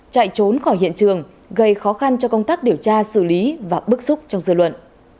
chạy trốn khỏi hiện trường gây khó khăn cho công tác điều tra xử lý và bức xúc trong dư luận